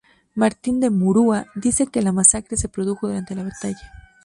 Martín de Murúa dice que la masacre se produjo durante la batalla.